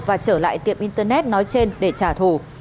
và trở lại tiệm internet nói trên để trả thù